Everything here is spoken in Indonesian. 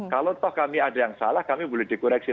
kalau toh kami ada yang salah kami boleh dikoreksi